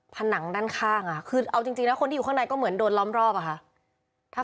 ผนังด้านข้างคือเอาจริงนะคนที่อยู่ข้างในก็เหมือนโดนล้อมรอบอะค่ะ